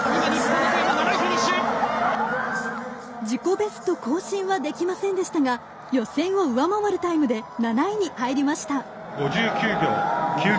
自己ベスト更新はできませんでしたが予選を上回るタイムで７位に入りました。